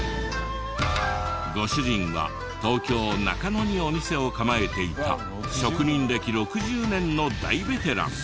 ご主人は東京中野にお店を構えていた職人歴６０年の大ベテラン。